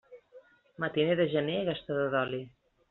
Matiner de gener, gastador d'oli.